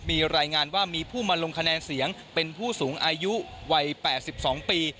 มีรายงานว่ามีผู้มาลงคะแนนเสียงเป็นผู้สูงอายุวัย๘๒ปี